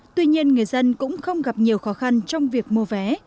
tuy nhiên người dân cũng không gặp nhiều khó khăn trong việc mua vé